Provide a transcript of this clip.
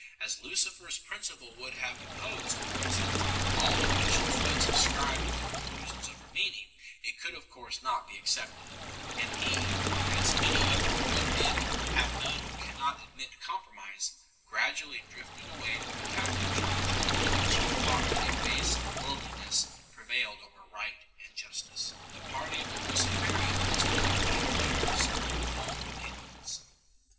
As Lucifer s principle would have de posed, for instance, all the bishops who had subscribed the conclusions of Rimini, it could of course not be accepted; and he, as many other good men have done who cannot admit compromise, gradually drifted away from the Catholic Church, in which he thought that a base worldliness pre j vailed over right and justice. The party of Luciferians i was however neither numerous nor of long continuance.